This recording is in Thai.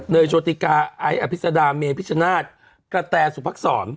เนยโจติกาไอ้อภิกษดาเมภิกชนาศกระแทรสุภักษ์ศร